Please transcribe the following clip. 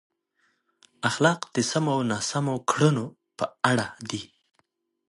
اخلاق د سمو او ناسم کړنو په اړه دي.